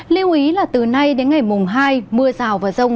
lưu ý là từ nay đến ngày mùng hai mưa rào và rông